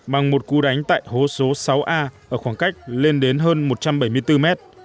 bằng một cú đánh tại hố số sáu a ở khoảng cách lên đến hơn một trăm bảy mươi bốn mét